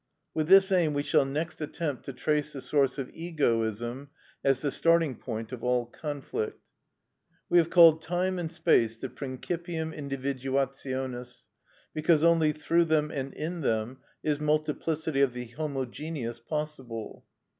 With this aim we shall next attempt to trace the source of egoism as the starting point of all conflict. We have called time and space the principium individuationis, because only through them and in them is multiplicity of the homogeneous possible.